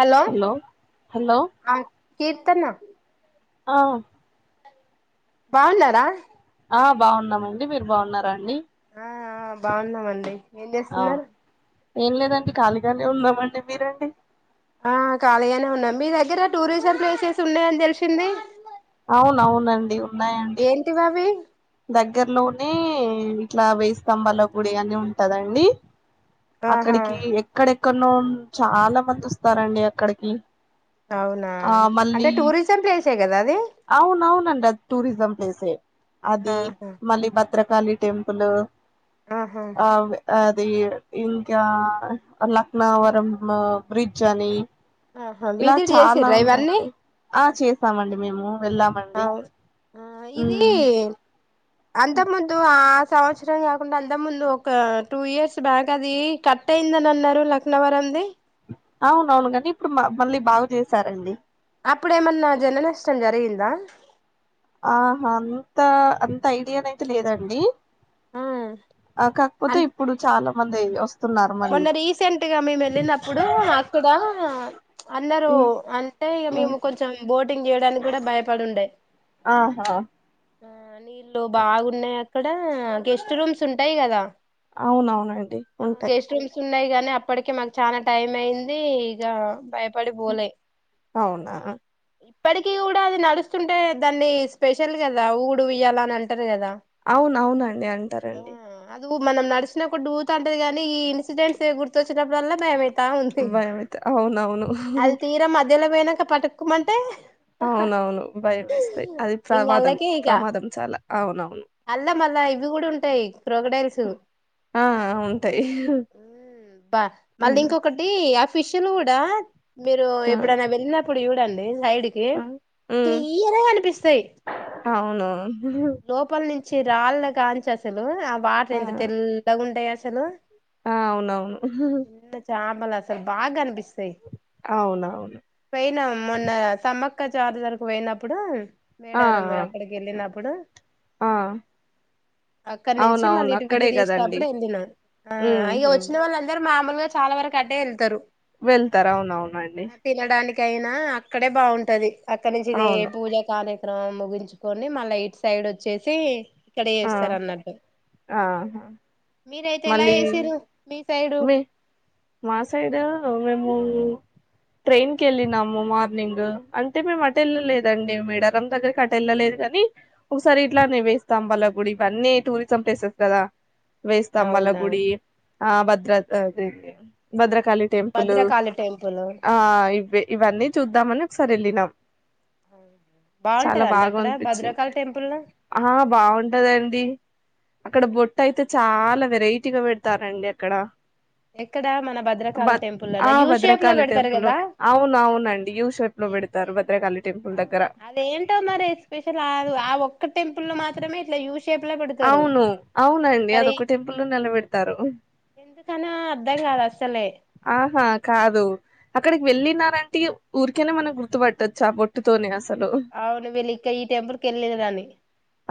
Hello hello Keerthana ఆ బావున్నారా ఆ బాగున్నామండి మీరు బాగున్నారండి ఆ ఆ బాగున్నామండి ఏం ఆ చేస్తున్నారు ఏం లేదండి ఖాళీగానే ఉన్నామండి మీరండి ఆ ఖాళీగానే ఉన్నాం మీ దగ్గర టూరిజం ప్లేసెస్ ఉన్నాయని తెలిసింది అవును అవునండి ఉన్నాయండి ఏంటివి అవి దగ్గరలోనే ఇట్లా వేయిస్తంభాల గుడి అని ఉంటదండి ఆహా అక్కడికి ఎక్కడెక్కడనో చాలా మంది వస్తారండి అక్కడికి అవునా ఆ అంటే టూరిజం ప్లేసే కదా అది అవును అవునండి అది టూరిజం ప్లేసే అది ఆహా మళ్ళీ భద్రకాళి టెంపుల్ ఆహా ఆ అది ఇంకా లక్నవరం బ్రిడ్జ్ అని ఆహా ఇలా విజిట్ చాలా చేసిర్రా ఇవన్నీ ఉన్నాయండి ఆ చేస్తామండి మేము వెళ్ళామండి అవు అంతకుముందు సంవత్సరం కాకుండా అంత ముందు ఒక టూ ఇయర్స్ బ్యాక్ అది కట్ అయిందని అన్నారు లక్నవరంది అవునవును గానీ ఇప్పుడు మళ్ళీ బాగు చేసారండి అప్పుడ ఏమన్నా జన నష్టం జరిగిందా ఆహా అంత అంత ఐడియానైతే లేదండి ఆ ఆ కాకపోతే అన్ ఇప్పుడు చాలా మంది వస్త మొన్న రీసెంట్గా మేము వెళ్ళినప్పుడు అక్కడ అన్నారు ఉమ్ అంటే ఇక ఉమ్ మేము కొంచెం బోటింగ్ చేయడానికి కూడా భయపడుండే ఆహా ఆ నీళ్లు బాగున్నాయి అక్కడ గెస్ట్ రూమ్స్ ఉంటాయి కదా అవునవునండి ఆ ఉంటాయి గెస్ట్ ఉన్నాయి కానీ అప్పటిక మాకు చాలా టైమ్ అయింది ఇగ బయ అవునా ఇప్పటికి కూడా అది నడుస్తుంటే దాన్నీ స్పెషల్ కదా ఊడు ఇయ్యాల అని అంటారు కదా అవును అవునండి అంటారండి నువ్వు మనం నడిచినప్పు ఊతుంటది కానీ ఈ ఇన్సిడెంట్స్ గుర్తొచ్చినప్పుడల్ల భయమైతది ఆ అంతే భయమైతే అవునవును అది తీరం మధ్యలో పోయినాక పటుకుమంటే అవునవును భయం వేస్తాయి అది ఇంక ప్రమాదం అల్లకే ఇక ప్రమాదం చాలా అవునవును అల్ల మళ్ళా ఇది కూడా ఉంటాయి క్రోగడైల్స్ ఆ ఉంటాయి ఉ బా మళ్ళీ ఉమ్ ఇంకొకటి ఆ ఫిష్లు కూడా మీరు ఆ ఎప్పుడైనా వెళ్ళినప్పుడు చూడండి సైడ్ హ్మ్ క్లియర్ అనిపిస్తాయి అవును లోపల నుంచి చిరాళ్ళ గాంచ అసలు ఆ వాటర్ ఎంత తెల్లగా ఉంటాయి అసలు ఆ అవునవును మ్మలు అసలు బాగా అనిపిస్తాయి అవునవును పోయినం మొన్న సమ్మక్క క్క జార్తరకు పోయినప్పుడు ఆ మేడారం ఆ అక్కడికి వెళ్ళినప్పుడు ఆ, అక్కడి నుంచిే మళ్ళీ అవునవును ఇటు అక్కడే విజిట్ కదండి చేసేప్పుడు ఎం తినం హ్మ్ ఆ ఇగ హు వచ్చిన వాళ్ళందరు మామూలుగా చాలా వరకు అటే వెళ్తారు వెళ్తారవునవునండి కైనా అక్కడే బాగుంటది అక్కడ నుంచి ఇది ఏ అవును పూజ కాలే ఆ ముగించుకొని మళ్ళ ఇయిట్ సైడ్ వచ్చేసి ఇక్కడ ఆ చేస్తారు అన్నట్టు ఆహా మీరైతే ఎలా మళ్ళీ చేసిరు మీ సైడు మీ మా సైడ్ మేము ట్రైన్ కి వెళ్ళినము మార్నింగ్ అంటే మేము అట వెళ్ళలేదండి మెడారం దగ్గరికి అట వెళ్ళలేదు కాని ఒకసారి ఇట్లానే వేస్తాంబల గుడి ఇవన్నీ టూరిజం ప్లేసెస్ కదా అ తం వల గుడి ఆ భద్ర Bhadrakali temple Bhadrakali temple ఆ ఇ ఇవన్నీ చూద్దామని ఒకసారి వెళ్ళినాం చాలా బాగుంటదండి బాగా అక్కడ అనిపించింది భద్రకాళి టెంపుల్ల ఆ బాగుంటదండి అక్కడ బొట్ట అయితే చాలా వెరైటీగా పెడతారండి అక్కడ ఎక్కడ మన బ భద్రకాళి టెంపుల్ లోనా ఆ యూ షేప్ లో భద్రకాళి టెంపుల్ అవును అవునండి యూ షేప్ లో ఎ పెడతారు ఎ భద్రకాళి టెంపుల్ దగ్గర అవును అదేంటో మరి స్పెషల్ అ ఆ ఒక్క టెంపుల్ లో మాత్రం త్రమే ఇట్ల యూ షేప్ లో పెడతారు అవును అవునండి మరి అదొక టెంపుల్లనే అలబెడతారు అర్థం కాదు అస్సలే ఆహా కాదు అక్కడికి వెళ్ళినారంటే ఇగ ఊరికేనే మనం గుర్తుపట్టొచ్చు ఆ బొట్టుతోనే అసలు అవును వీళ్ళు ఇంక్క ఈ టెంపుల్కి వెళ్ళిిన దని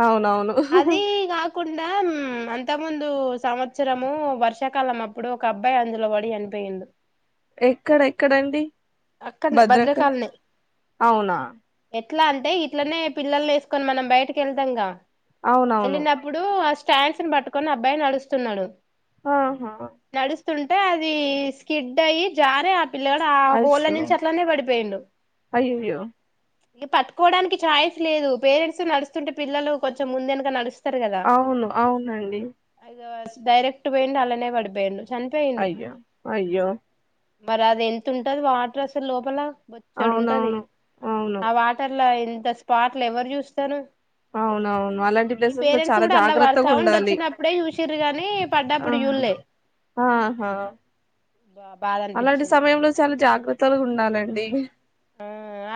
అవునవును అదీ కాకుండాా మ్ అంత ముందు సంవత్సరము వర్షాకాలం అప్పుడు ఒక అబ్బాయి అందులో పడి చనిపోయిండు ఎక్కడ ఎక్కడండి అక్కడనే భద్రక భద్రకాలనే అవునా ఎట్లా అంటే ఇట్లనే పిల్లల్ని వేసుకొని మనం బయటకి వెళ్తాంగా అవునవును వెళ్ళినప్పుడు అ ప్యాంటుని పట్టుకొని అబ్బాయిని నడుస్తున్నాడు ఆహా స్తుంటే అది స్కిడ్ అయ్యి జార ఆ పిల్లగడు ఆ పోళ్ళ అయ్యో నుంచి అట్లానే పడిపోయిండు అయ్యయ్యో ఇక పట్టుకోవడానికి ఛాన్స్ లేదు పేరెంట్స్ నడుస్తుంటే పిల్లలు కొంచె ముందు వెనక నడుస్తు స్తరు కదా అవును అవునండి డైరెక్ట్ పోయండు అల్లనే పడిపోయండు అయ్యో అయ్యో మరి అది ఎంత ఉంటది వాటర్ అసలు లోపల చ్చడు ఉంటది అవునవును అవును ఆ వాటర్ల ఇంత స్పాట్లు ఎవరు చూస్తారు అవునవును అలాంటి ఈ ప్లేసెస్ లో పేరెంట్స్ చాలా కూడా అల్లా వాారు జాగ్రత్తగా సౌండ్ ఉండాలి వచ్చినప్పుడే చుశిర్రు గాని ఆ పడ్డప్పుడు చూళ్ళే ఆహా బాధ అలాంటి అనిపించింది సమయంలో చాలా జాగ్రత్త త్తగ ఉండాలండి ఆ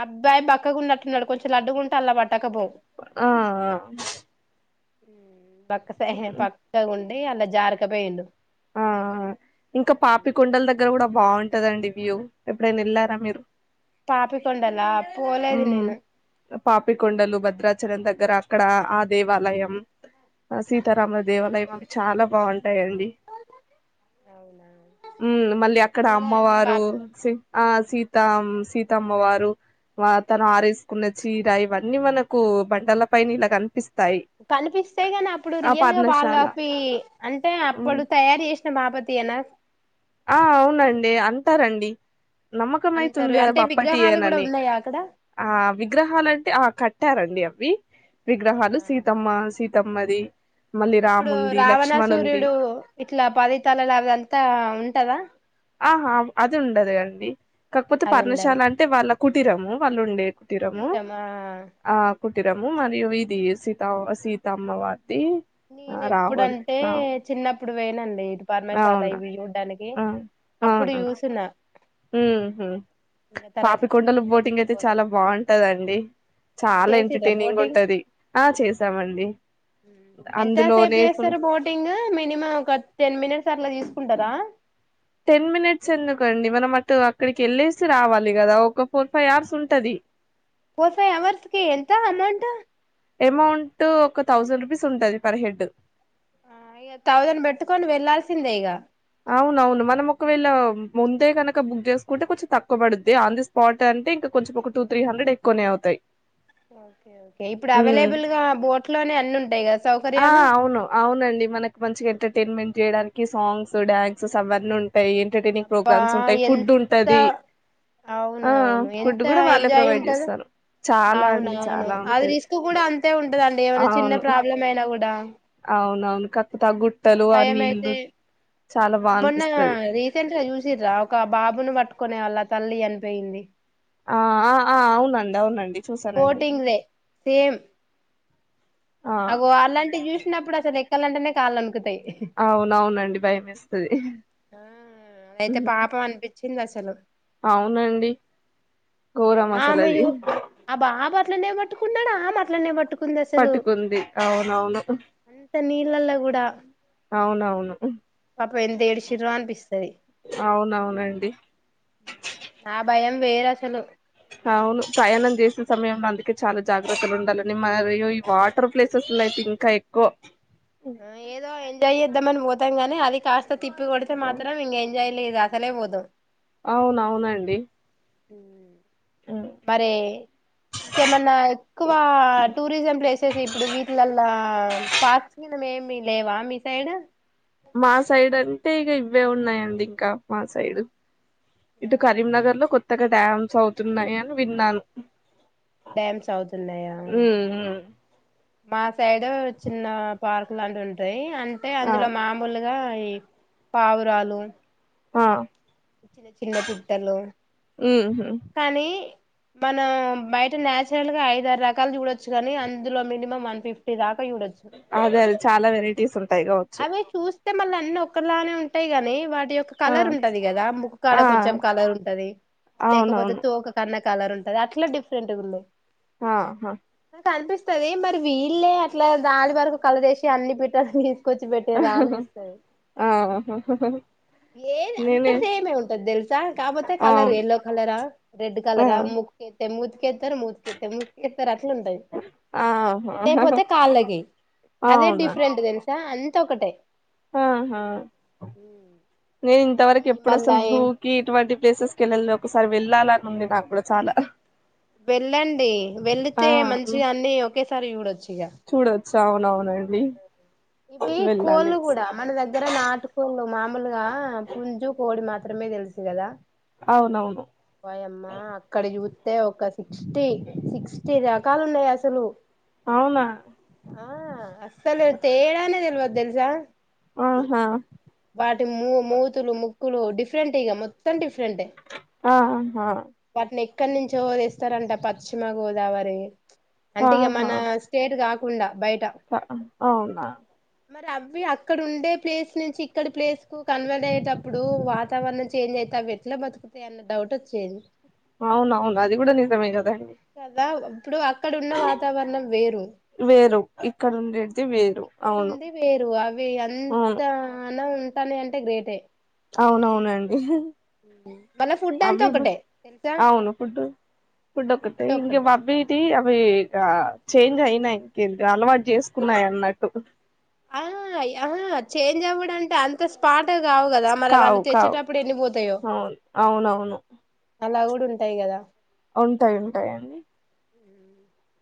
అబ్బాయి బక్కగున్నట్టున్నడు కొంచెం లడ్డుగుంటే అల్ల పట్టకపోవ్ ఆ ఆ బక్కసై బక్కగ ఉండి అల్ల జారకపోయిండు ఆ ఇంకా పాపికొండల దగ్గర కూడా బాగుంటా ట దండి వ్యూ ఎప్పుడయిన ఎల్లారా మీరు పాపికొండలా పోలేదు ఉం నేను పాపికొండలు భద్రా చలం దగ్గర అక్కడ ఆ దేవాలయం సీతారామల దేవాలయం అవి చాలా బాగుంటాయి హాయ్ అండీ అవునా మళ్ళీ అక్కడ పోలే అండి అమ్మవారు పాప సి ఆ సీ తా ఆ సీతమ్మ వారు తను ఆరేసుకున్న చీర ఇవన్నీ మనకు బండల పైన ఇలా కనిపిస్త కనిపిస్తే ని అప్పుడు రియల్ గా పర్ణశాల వాళ్ళఫ అంటే ఉమ్ అప్పుడు తయారు చేస్త బాపతి ఏ నా ఆ అవునండి అంటారండి నమ్మకం ఐతుంది అంటారు గద అంటే బప్పటి విగ్రహాలు ఏట్ కూడా నని ఉన్నాయా అక్కడ ఆ విగ్రహాలంటే ఆ క ట్టారండి అవి ఆ విగ్రహాలు సీతమ్మ సీతమ్మది మళ్ళీ ఇప్పుడు రాముంది రావణ లక్ష్మణుంది సూర్యుడు ఇట్లా పది తలలు అదంతా ఉంటదా ఆహా అది ఉండదు అండి కాకపోతే అది ఉండదు పర్ణశాల అంటే వాళ్ళ కుటీరము వాళ్ళు ఉ కుటీరము కుటీరమా ఆ కుటీరము మరియు ఇది సీత సీత అమ్మవారు నేన ఎప్పుడంటే చిన్నప్ ప్పుడు వేనండి ఇ పర్మశాల అవునా ఇవి చూడ్డానికి ఆ అప్పుడు చూసిన ఉ ఇంకా తర్వాతకి ఇంకా పాపికొండలు మళ్ళీ బోటింగ్ ఎప్పుడు అయితే పోలే చాలా బాగుంటదండి చాలా చేసిర్రా ఎంటర్టైనింగ్ ఉంటది ఆ చేసామండి ఎంత సేపు అందులోనే ఫుల్ చేసిర్రు బోటింగ్ మినిమం ఒక టెన్ మినిట్స్ అట్లా తీస్ కుంటదా టెన్ మినిట్స్ ఎందుకండి మనం అటు అక్కడికి వెళ్ళేసి రావాలి కదా ఒక ఫోర్ ఫైవ్ అవర్స్ ఉంటది ఫోర్ ఫైవ్ అవర్స్ కి ఎంత అమౌంట్ అమౌంట్ ఒక థౌజండ్ రూపీస్ ఉంటది పర్ హెడ్ ఆ థౌజండ్ పెట్టుకొని వెళ్ళాల్సిందే ఇక అవునవును మనం ఒకవేళ ముందే కనుక బుక్ చేసుకుంటే కొంచెం తక్కువ పడుద్ది ఆన్ ది స్పాట్ అని అంట ఇంకా కొంచెం ఒక టూ త్రీ హండ్రెడ్ ఎక్కువనే అవుతాయి ఓకే ఓకే ఇప్పుడు హ్మ్. అవైలబుల్ గా బోట్ లోనే అన్న ఉంటాయి కదా సౌకర్యాలు ండి మనకి మంచిగా ఎంటర్టైన్మెంట్ చేయడానికి సాంగ్స్ డ్యాన్స్స్ అవన్నీ ఉన్ టాయి ఎంటర్టైనింగ్ అబ్బా ప్రోగ్రామ్స్ ఉంటాయి ఫుడ్ ఎంత ఉంటది అవును ఆ అవును ఫుడ్ ఎంత కూడా వాళ్ళే ఎంజాయ్ ప్రొవైడ్ ఉంటది చేస్తారు చాలా అవున అండి అవును చాలా అది ఉంటది రిస్క్ కూడా అంతే ఉంటదండి ఏమైనా చిన్న అవును ప్రాబ్లం అయినా కూడా అవునవును కత్త గుట్టలు ఆ భయం నీల్లు అయితే మొన్న రీసెంట్ గా చూసిర్రా ఒక బాబును పట్టు కునే వాళ్ళ తల్లి చనిపోయింది ఆ ఆ ఆ అవునండి అవునండి చూసానండి బోటింగ్ దే సేమ్ ఆ అగో అలాంటివి చూసినప్పుడు అసలు ఎక్కలంటనే కళ్లనుకుతాయి అవునవునండి భయం వేస్తది ఆ అయితే పాపం అనిపించింది అసలు అవునండి ఘోరం ఆమె అసలది ఆ బాబ అట్లనే పట్టుకున్నాడు ఆ అట్లనే పట్టుకున్నా ంది అసలు పట్టుకుంది అవునవును అంత నీళ్ళల్లో కూడా అవునవును పాపం ఎంత ఏడిచిర్రో అనిపిస్తది అవునవునండి ఆ భయం వేర అసలు అవును ప్రయాణం చేసిన సమయంలో అందుకే చాలా జాగ్రత్తలు ఉండాలని మరియు ఈ వాటర్ ప్లేసెస్ అయితే ఇంకా ఎక్కువ ఏదో ఎంజాయ్ చేద్దామని పోతాం గాని అది కాస్త తిప్పికొడితే మాత్రం ఇంక ఎంజాయ్ లేదు అసలే పోతం అవున అవునండి మరే ఇంకేమన్నా ఎక్కువ టూరిజం ప్లేసెస్ ఇప్పుడు వీటిలల్లా పాఛీనం ఏమి లేవా మీ సైడ్ మా సైడ్ అంటే ఇగా ఇవే ఉన్నాయండి ఇంకా మా సైడ్ ఇటు కరీంనగర్ లో కొత్తగా డ్యామ్స్ అవుతున్నాయని విన్నాను డ్యామ్స్ అవుతున్నాయా ఉమ్ ఉమ్. మా సైడ్ చిన్న పార్కు లాంటివి ఉంటయి అంటే ఆ అందులో మామూలుగా పావురాలు ఆ చిన్న పిట్టలు ఉహు కానీ మనం బయట నచరల్ గా ఐద ఆరు రకాలు చూడొచ్చు కని అందులో మినిమం వన్ ఫిఫ్టీ దా అదే అదే చాలా వెరెటీస్ ఉంటయి ఒ అవి చూస్తే మళ్ళ అన్ని ఒక్కలానే ఉంటయి గానీ వా [unintelligible] ఆ కలర్ ఉంటది కదా ముక్క ఆ కాడ కొంచెం కలర్ ఉంటది లేకపోతే అవునవును తోక కన్నా కలర్ ఉంటది అట్లా డిఫరెంట్ ఉంది ఆ హా కనిపిస్తది మరి వీళ్ళే అట్లా దాని వరకు కలరేసి అన్ని పిట్టల్ని ఆ ఏది అంతా సేమే ఉంటది తెలుసా కాపోతే కలర్ అవును యెల్లో కలరా రెడ్ ఆ కలరా ముక్ చేత్ కేత్తరు మూతికేత్తరు ముక్కేత్తరు అట్లుంటది. ఆహా లేపోతే కాళ్ళకి అదే అవునా డిఫరెంట్ తెలుసా అంత ఒకటే ఆహా నేను ఇంతవరకు ఈ ఎప్పుడు మళ్ళా అసలు ఏం జూకి ఇటువంటి ప్లేసెస్ కి ఎళ్ళలె ఒకసారి వెళ్ళాలని ఉంది నాగుడా చాలా వెళ్ళండి వెళ్ళితే మంచిగ అన్ని ఒకేసారి చూడొచ్చు ఇగ చూడొచ్చా అవునవునండి. ఇవి వెళ్ళాలి కోళ్ళు కూడా ఒకసారి. మన దగ్గర నాటు కోళ్ళు మా మాములుగా పుంజు, కోడి మాత్రమే తెలుస్ గదా అవునవును ఒయమ్మా అక్కడ చూత్తే ఒక సిక్స్టీ సిక్స్టీ దాక కా ఉన్నాయి అసలు అవునా ఆ అస్సలె తేడేనే తెల్వదు తెల్సా ఆహా వాటి మూ మూతులు, ముక్కులు డిఫరెంట్ ఇగ మొత్తం డిఫరెంటే ఆహ హా ఎక్కనించో తెస్తారంట పశ్చిమ గోదావరి అంటే ఇగ ఆహా మన స్టేట్ కాకుండా బయట అవునా మరి అవి అక్కడ ఉండే ప్లేస్ నుంచి ఇక్కడ ప్లేస్ కు కన్వర్ట్ అయ్యేటప్పుడు వాతావరణం చేంజ్ అయి అవి ఎట్లా బతుకుతయి అన్న డౌట్ వచ్చేది. అవున్ అవున్ అది కూడా నీజమే గదా కదా ఇప్పుడు అక్కడున్న వాతావరణం వేరు వేరు ఇక్కడ ఉండేది వేరు ఇక్కడ అవును ఉంది వేరు అవి అంత అవును [unintelligible] ఉంటాన్నయి అంటే గ్రేటే అవునవునండి మళ్ళ ఫుడ్ అంతా అవి ఒకటే అవును ఫుడ్ ఫుడ్ ఒకటే ఇంగా మమ్మిది ఆమె చేంజ్ అయినాయి ఇంక అలవాటు చేసుకున్నాయి అన్నట్టు ఆ ఆ చేంజ్ అవ్వడుంటే అంత స్పాట్ కావు కదా మరి కావు వాళ్ళు కావు తెచ్చేటప్పుడు ఎన్ని పోతాయో అవును అవునవును అలా గుడా ఉంటయి కదా ఉంటయి ఉంటాయండి ఉ